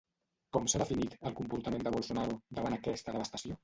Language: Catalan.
Com s'ha definit, el comportament de Bolsonaro, davant aquesta devastació?